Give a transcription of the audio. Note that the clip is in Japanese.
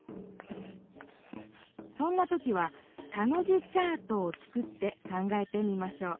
そんな時は「田の字チャート」を作って考えてみましょう。